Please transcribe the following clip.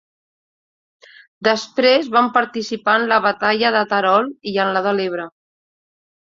Després van participar en la batalla de Terol i en la de l'Ebre.